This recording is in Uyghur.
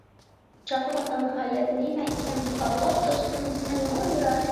قۇچاقلىغىن ھاياتنى مەھكەم، باغلاپ دوستۇم سەنمۇ ئىرادە.